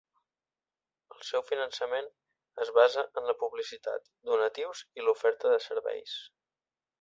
El seu finançament es basa en la publicitat, donatius i l'oferta de serveis.